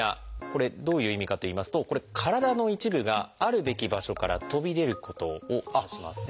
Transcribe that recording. これどういう意味かといいますと体の一部があるべき場所から飛び出ることを指します。